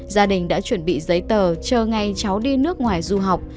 gia đình đã chuẩn bị giấy tờ chờ ngay cháu đi nước ngoài du học